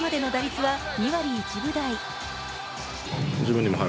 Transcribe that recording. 準決勝までの打率は２割１分台。